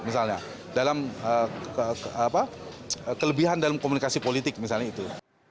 misalnya dalam kelebihan dalam komunikasi politik misalnya itu